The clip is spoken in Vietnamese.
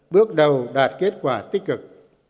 bước đầu đạt kết quả tích cực